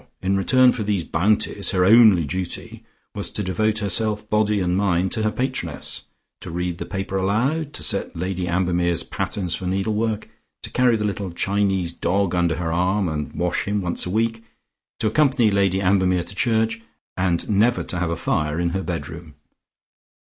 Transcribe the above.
In return for these bounties, her only duty was to devote herself body and mind to her patroness, to read the paper aloud, to set Lady Ambermere's patterns for needlework, to carry the little Chinese dog under her arm, and wash him once a week, to accompany Lady Ambermere to church, and never to have a fire in her bedroom.